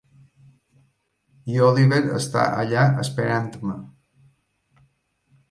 I Oliver està allà esperant-me.